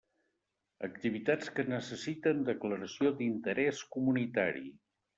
Activitats que necessiten declaració d'interés comunitari.